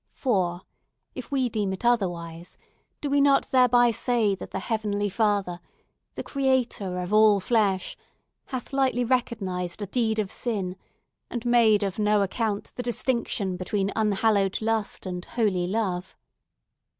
"For, if we deem it otherwise, do we not thereby say that the Heavenly Father, the creator of all flesh, hath lightly recognised a deed of sin, and made of no account the distinction between unhallowed lust and holy love?